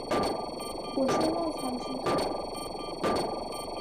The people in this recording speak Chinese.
我现在才知道